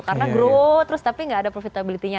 karena growth terus tapi gak ada profitability nya